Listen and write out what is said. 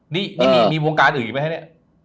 นี่มีวงการอื่นอีกไหมคะเนี่ย